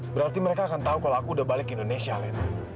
berarti mereka akan tahu kalau aku udah balik ke indonesia led